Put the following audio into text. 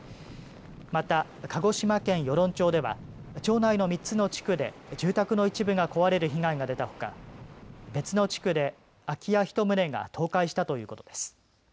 また、鹿児島県与論町では町内の３つの地区で住宅の一部が壊れる被害が出たほか別の地区で空き家１棟が倒壊したということです。